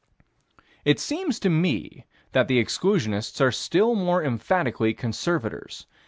It seems to me that the exclusionists are still more emphatically conservators.